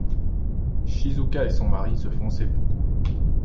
Shizuka et son mari se font seppuku.